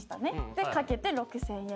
で掛けて６，０００円。